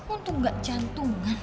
untung gak jantungan